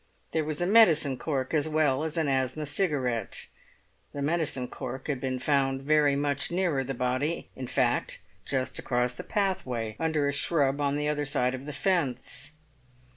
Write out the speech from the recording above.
There was a medicine cork as well as an asthma cigarette; the medicine cork had been found very much nearer the body; in fact, just across the pathway, under a shrub on the other side of the fence.